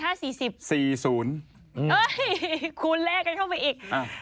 เฮ้ยคูณเล่กันเข้าไปอีก